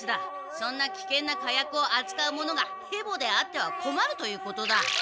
そんな危険な火薬をあつかう者がヘボであってはこまるということだ。